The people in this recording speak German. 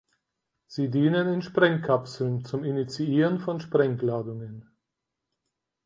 Sie dienen in Sprengkapseln zum Initiieren von Sprengladungen.